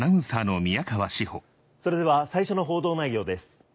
それでは最初の報道内容です。